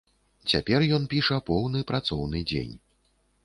Цяпер ён піша поўны працоўны дзень.